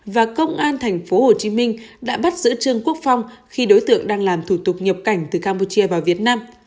và công an thành phố hồ chí minh đã bắt giữ trương quốc phong khi đối tượng đang làm thủ tục nhập cảnh từ campuchia vào việt nam